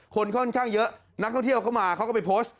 คนค่อนข้างเยอะนักท่องเที่ยวเข้ามาเขาก็ไปโพสต์